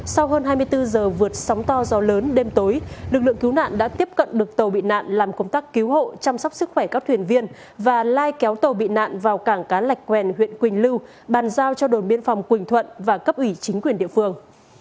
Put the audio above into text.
sau hơn hai mươi bốn giờ vượt sóng to gió lớn đêm tối lực lượng cứu nạn đã tiếp cận được tàu bị nạn làm công tác cứu hộ chăm sóc sức khỏe các thuyền viên và lai kéo tàu bị nạn vào cảng cá lạch quèn huyện quỳnh lưu bàn giao cho đồn biên phòng quỳnh thuận và cấp ủy chính quyền địa phương